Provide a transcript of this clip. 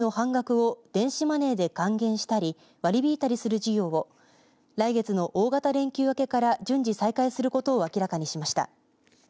県民が県内旅行をした際に宿泊代金の半額を電子マネーで還元したり割り引いたりする事業を来月の大型連休明けから順次再開することを明らかにしました。